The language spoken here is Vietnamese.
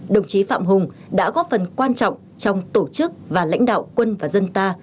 đồng chí phạm hùng đã góp phần quan trọng trong tổ chức và lãnh đạo quân và dân ta